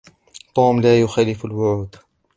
توم لا يخالف الوعود.